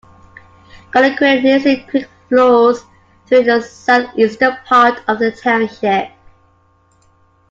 Connoquenessing Creek flows through the southeastern part of the township.